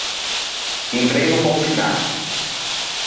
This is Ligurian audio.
Un treno pe-o Finâ.